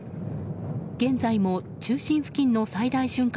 現在も中心付近の最大瞬間